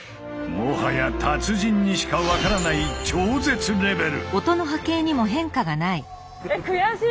もはや達人にしか分からないだって